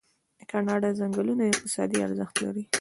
د کاناډا ځنګلونه اقتصادي ارزښت لري.